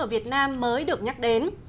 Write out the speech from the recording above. ở việt nam mới được nhắc đến